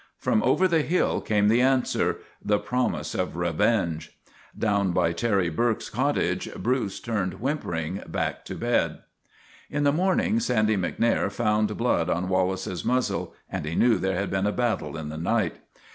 From over the hill came the answer the promise of revenge. Down by Terry Burke's cot tage Bruce turned whimpering back to bed. In the morning Sandy MacNair found blood on Wallace's muzzle and knew there had been a battle in the night.